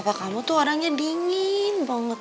bapak kamu tuh orangnya dingin banget